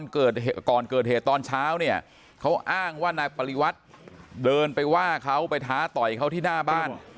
ก่อนเกิดเหตุตอนเช้าเนี่ยเขาอ้างว่านายปริวัติเดินไปว่าเขาไปท้าต่อยเขาที่หน้าบ้าน